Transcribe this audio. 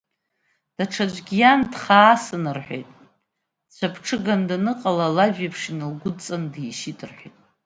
Даҽаӡәгьы иан дхаасын, — рҳәеит, дцәаԥҽыганы даныҟала, алажә еиԥш, иналгәыдҵаны дишьит, — рҳәеит.